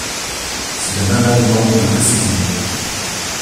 C’est un amendement de précision.